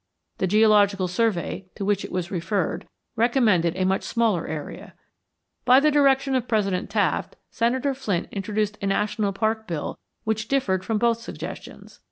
The Geological Survey, to which it was referred, recommended a much smaller area. By the direction of President Taft, Senator Flint introduced a national park bill which differed from both suggestions.